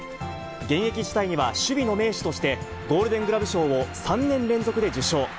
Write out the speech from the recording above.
現役時代には守備の名手として、ゴールデングラブ賞を３年連続で受賞。